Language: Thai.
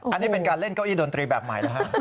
อันนี้เป็นการเล่นเก้าอี้ดนตรีแบบใหม่นะฮะ